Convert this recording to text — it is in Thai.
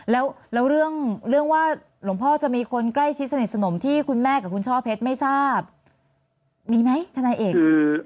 แล้วเรื่องว่าหลวงพ่อจะมีคนใกล้ชิดสนิทสนมที่คุณแม่กับคุณช่อเพชรไม่ทราบมีไหมทนายเอก